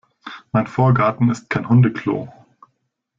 Mein Vorgarten ist kein Hundeklo!